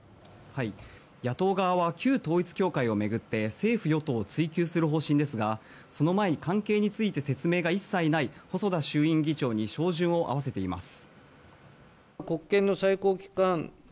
野党側は旧統一教会を巡って政府・与党を追及する方針ですがその前に関係について説明が一切ない細田衆院議長に照準を合わせています。